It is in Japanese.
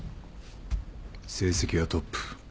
成績はトップ。